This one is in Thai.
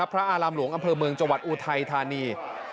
อารามหลวงอำเภอเมืองจังหวัดอุทัยธานี